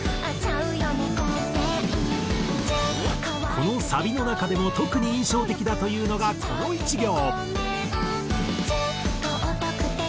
このサビの中でも特に印象的だというのがこの１行。